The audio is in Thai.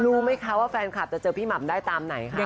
รู้ไหมคะว่าแฟนคลับจะเจอพี่หม่ำได้ตามไหนคะ